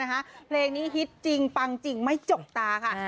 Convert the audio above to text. เพลงนี้ฮิตจริงปังจริงไม่จกตาค่ะ